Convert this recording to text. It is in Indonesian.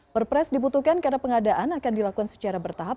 perpres dibutuhkan karena pengadaan akan dilakukan secara bertahap